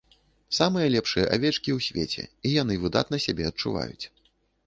Самыя лепшыя авечкі ў свеце, і яны выдатна сябе адчуваюць.